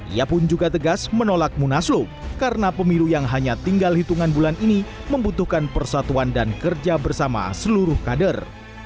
ia pun juga tegas menolak munaslup karena pemilu yang hanya tinggal hitungan bulan ini membutuhkan persatuan dan kerja bersama seluruh kader